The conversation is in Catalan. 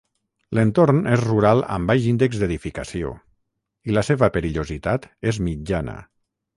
L'entorn és rural amb baix índex d'edificació i la seva perillositat és mitjana.